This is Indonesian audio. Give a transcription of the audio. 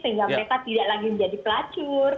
sehingga mereka tidak lagi menjadi pelacur